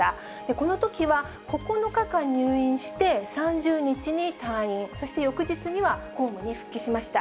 このときは９日間入院して、３０日に退院、そして翌日には公務に復帰しました。